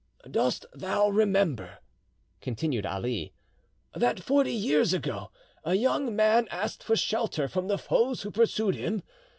"Dost thou remember," continued Ali, "that forty years ago a young man asked for shelter from the foes who pursued him?